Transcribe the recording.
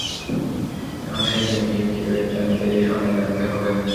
এখন মেই-মেইকে কেউ একজন দেখেশুনে রাখতে হবে।